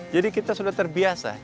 jadi kita sudah terbiasa